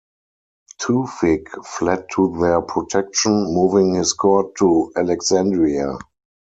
Tewfik fled to their protection, moving his court to Alexandria.